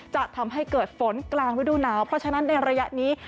จะทำให้เกิดฝนกลางฤดูหนาวเพราะฉะนั้นในระยะนี้